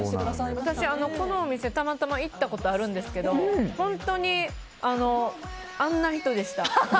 私、このお店たまたま行ったことがあるんですけど本当にあんな人でした。